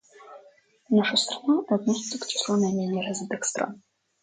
Наша страна относится к числу наименее развитых стран.